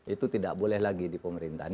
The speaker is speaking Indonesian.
itu tidak boleh lagi di pemerintahan